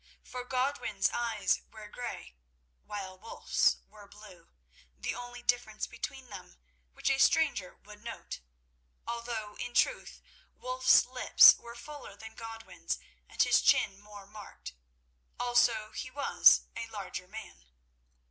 For Godwin's eyes were grey, while Wulf's were blue, the only difference between them which a stranger would note, although in truth Wulf's lips were fuller than Godwin's, and his chin more marked; also he was a larger man.